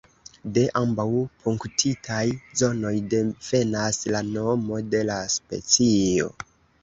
De ambaŭ punktitaj zonoj devenas la nomo de la specio.